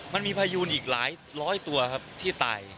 พายูนอีกหลายร้อยตัวครับที่ตาย